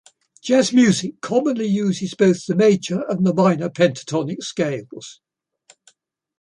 Jazz music commonly uses both the major and the minor pentatonic scales.